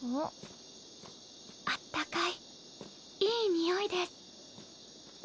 あったかいいい匂いです。